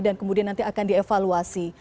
kemudian nanti akan dievaluasi